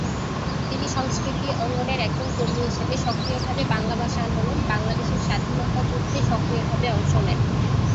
তিনি সংস্কৃতি অঙ্গনের একজন কর্মী হিসেবে সক্রিয়ভাবে বাংলা ভাষা আন্দোলন, বাংলাদেশের স্বাধীনতা যুদ্ধে সক্রিয়ভাবে অংশ নেন।